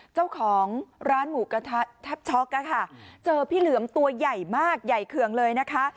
เจ้าของร้านหมูกระทะแทบช็อกอะค่ะเจอพี่เหลือมตัวใหญ่มากใหญ่เคืองเลยนะคะ